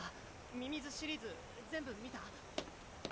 「ミミズ」シリーズ全部見た？